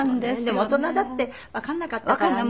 でも大人だってわかんなかったからね。